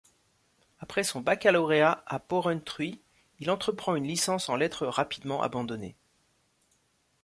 Après son baccalauréat à Porrentruy il entreprend une licence en lettres rapidement abandonnée.